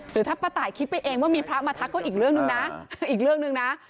หรือถ้าป้าตายคิดไปเองว่ามีพระมาทักก็อีกเรื่องนึงนะ